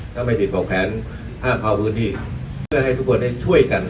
ถ้าไม่ผิดบอกแผนห้ามเข้าพื้นที่เพื่อให้ทุกคนได้ช่วยกัน